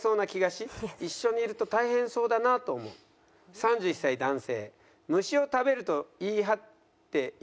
３１歳男性。